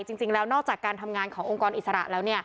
จริงแล้วนอกจากการทำงานขององค์กรอิสระแล้ว